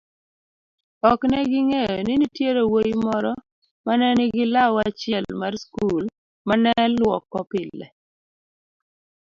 ok neging'eyo ni nitiere wuoyi moro manenigi lau achielmarskulmaneluokopile